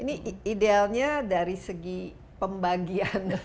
ini idealnya dari segi pembagian